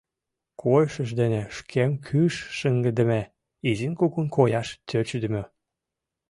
«Койышыж дене шкем кӱш шыҥыдыме, изин-кугун кояш тӧчыдымӧ.